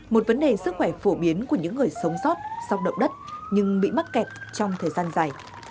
một vấn đề sức khỏe phổ biến của những người sống sót sau động đất nhưng bị mắc kẹt trong thời gian dài